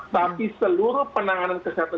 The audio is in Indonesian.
tapi seluruh penanganan kesehatan